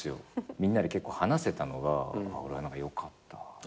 みんなで結構話せたのが俺はよかった。